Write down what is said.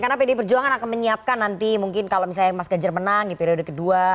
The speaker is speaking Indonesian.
karena pd perjuangan akan menyiapkan nanti mungkin kalau misalnya mas gajar menang di periode kedua